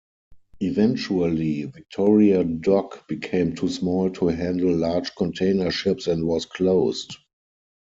Eventually Victoria Dock became too small to handle large container ships and was closed.